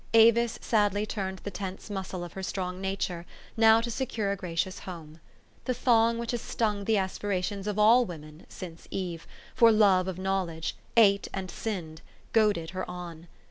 Avis sadly turned the tense muscle of her strong nature now to secure a gracious home. The thong which has stung the as pirations of all women, since Eve, for love of knowl edge, ate and sinned, goaded her on.